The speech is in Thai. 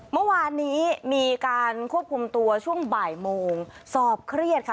เมื่อวานนี้มีการควบคุมตัวช่วงบ่ายโมงสอบเครียดค่ะ